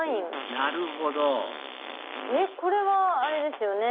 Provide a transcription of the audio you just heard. なるほどこれはあれですよね。